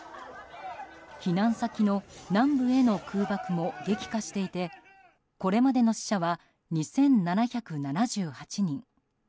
避難先の南部への空爆も激化していてこれまでの死者は２７７８人。